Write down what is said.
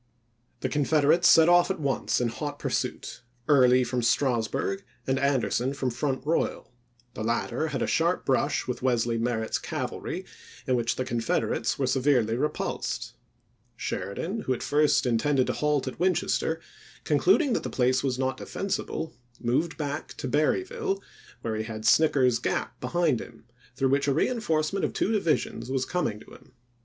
The Confederates set off at once in hot pursuit, on condSS Early from Strasburg and Anderson from Front oti865j6.ar' Royal; the latter had a sharp brush with Wesley Merritt's cavalry, in which the Confederates were severely repulsed. Sheridan, who at first in tended to halt at Winchester, concluding that the place was not defensible, moved back to Ber ry ville where he had Snicker's Gap behind him, through which a reenforcement of two divisions was coming to him.